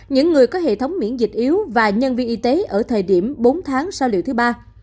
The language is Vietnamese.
những người có hệ thống miễn dịch yếu và nhân viên y tế ở thời điểm bốn tháng so liệu thứ ba